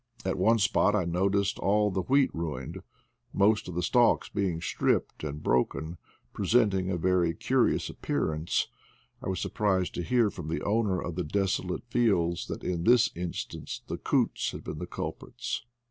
At one spot I noticed all the wheat ruined, most of the stalks being stripped and broken, presenting a very curious appearance; I was surprised to hear from the owner of the desolate fields {hat in this instance the coots had been the culprits.